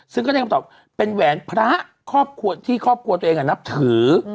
ซึ่งก็ได้คำตอบเป็นแหวนพระครอบครัวที่ครอบครัวตัวเองนับถือ